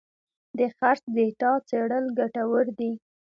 د خرڅ ډیټا څېړل ګټور دي.